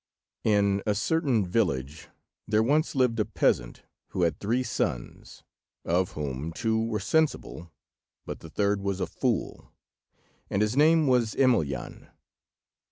IN a certain village there once lived a peasant who had three sons, of whom two were sensible, but the third was a fool, and his name was Emelyan.